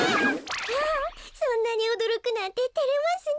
そんなにおどろくなんててれますね。